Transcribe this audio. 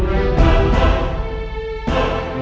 riki masih hidup